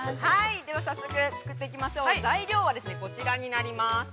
では、早速作っていきましょう、材料はこちらになります。